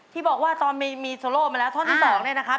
ที่บอกว่าตอนมีโซโล่มาแล้วท่อนที่๒เนี่ยนะครับ